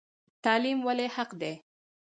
تعلیم ولې حق دی؟